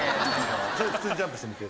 普通にジャンプしてみて。